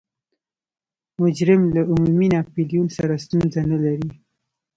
مجرم له عمومي ناپلیون سره ستونزه نلري.